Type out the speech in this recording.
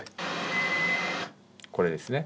これですね。